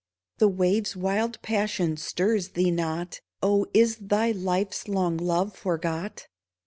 The wave's wild passion stirs thee not — Oh, is thy life's long love forgot